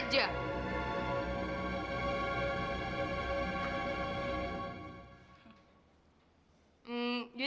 dia juga mau hubung di maja